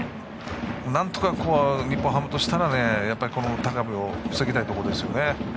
なんとか日本ハムとしたら高部を防ぎたいところですよね。